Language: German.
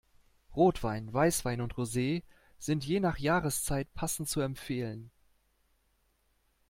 Rotwein, Weißwein und Rosee sind je nach Jahreszeit passend zu empfehlen.